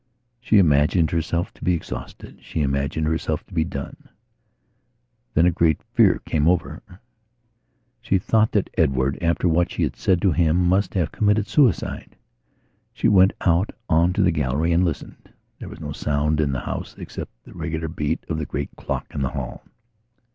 She imagined herself to be exhausted; she imagined herself to be done. Then a great fear came over her. She thought that Edward, after what she had said to him, must have committed suicide. She went out on to the gallery and listened; there was no sound in all the house except the regular beat of the great clock in the hall.